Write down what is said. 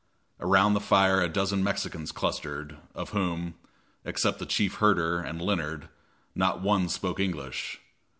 Around the fire a dozen Mexicans clustered, of whom, except the chief herder and Leonard, not one spoke English.